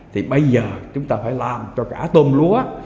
thì bây giờ chúng ta phải làm cho cả tôm lúa